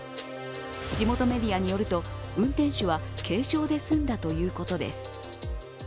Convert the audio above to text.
地元メディアによると、運転手は軽傷で済んだということです。